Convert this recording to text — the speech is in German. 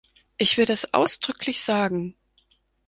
Ich will das ausdrücklich sagen!